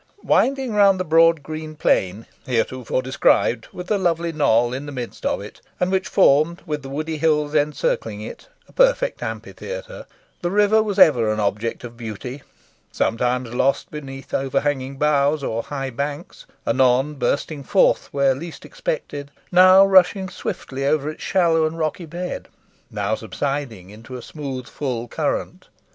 Winding round the broad green plain, heretofore described, with the lovely knoll in the midst of it, and which formed, with the woody hills encircling it, a perfect amphitheatre, the river was ever an object of beauty sometimes lost beneath over hanging boughs or high banks, anon bursting forth where least expected, now rushing swiftly over its shallow and rocky bed, now subsiding into a smooth full current.